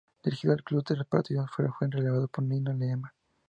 Dirigió al club tres partidos, pero fue relevado por Nino Lema.